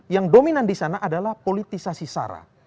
yang dominan disana adalah politisasi sara